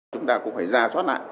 chúng ta cũng phải ra soát lại